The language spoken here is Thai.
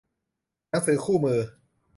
หนังสือคู่มือ